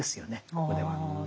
ここでは。